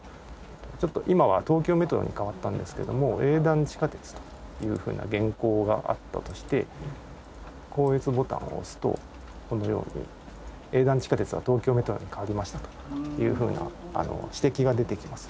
ちょっと今は「東京メトロ」に変わったんですけども「営団地下鉄」というふうな原稿があったとして校閲ボタンを押すとこのように営団地下鉄は東京メトロに変わりましたというふうな指摘が出てきます。